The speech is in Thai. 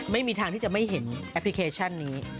ไม่มีทางที่จะไม่เห็นแอปพลิเคชันนี้